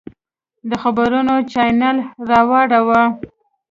د خبرونو چاینل راواړوه!